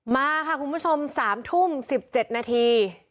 มาค่ะคุณผู้ชม๓ทุ่ม๑๗นาที